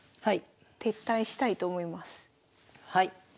はい。